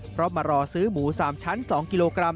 เพราะมารอซื้อหมู๓ชั้น๒กิโลกรัม